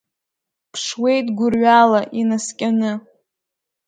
Ԥшуеит гәырҩала, инаскьаны…